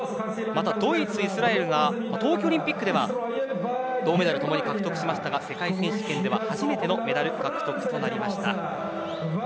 またドイツ、イスラエルが東京オリンピックでは銅メダルをともに獲得しましたが世界選手権では初めてのメダル獲得となりました。